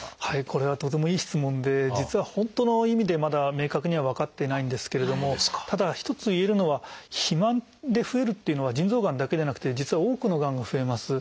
これはとてもいい質問で実は本当の意味でまだ明確には分かってないんですけれどもただ一ついえるのは肥満で増えるというのは腎臓がんだけじゃなくて実は多くのがんが増えます。